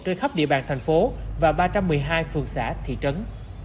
trên khắp địa bàn thành phố và ba trăm một mươi hai phường xã thị trấn